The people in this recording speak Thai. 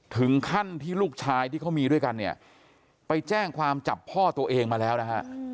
ถึงขั้นที่ลูกชายที่เขามีด้วยกันเนี่ยไปแจ้งความจับพ่อตัวเองมาแล้วนะฮะ